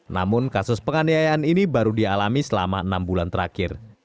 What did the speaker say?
namun kasus penganiayaan ini baru dialami selama enam bulan terakhir